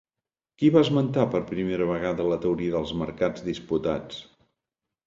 Qui va esmentar per primera vegada la teoria dels mercats disputats?